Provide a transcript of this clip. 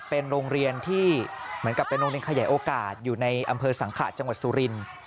เป็นโรงเรียนที่เหมือนกับเป็นโรงเรียนขยายโอกาสอยู่ในอำเภอสังขะจังหวัดสุรินทร์